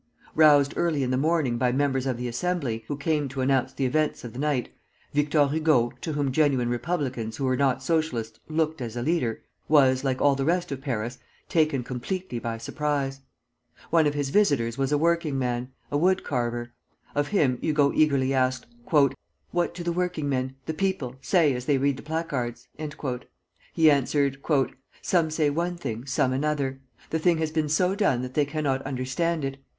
Roused early in the morning by members of the Assembly, who came to announce the events of the night, Victor Hugo, to whom genuine republicans who were not Socialists looked as a leader, was, like all the rest of Paris, taken completely by surprise. One of his visitors was a working man, a wood carver; of him Hugo eagerly asked: "What do the working men the people say as they read the placards?" He answered: "Some say one thing, some another. The thing has been so done that they cannot understand it.